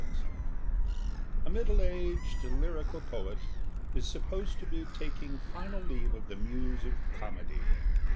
THALIA A MIDDLE AGED LYRICAL POET IS SUPPOSED TO BE TAKING FINAL LEAVE OF THE MUSE OF COMEDY.